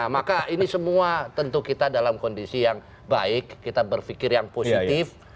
maka ini semua tentu kita dalam kondisi yang baik kita berpikir yang positif